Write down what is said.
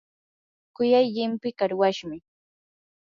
kuyay llimpii qarwashmi.